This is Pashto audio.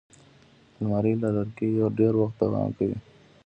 الماري له لرګي ډېر وخت دوام کوي